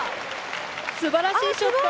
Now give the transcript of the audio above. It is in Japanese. すばらしいショット。